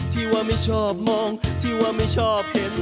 ที่ว่าไม่ชอบมองที่ว่าไม่ชอบเห็น